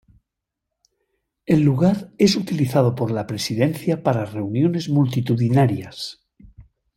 El lugar es utilizado por la presidencia para reuniones multitudinarias.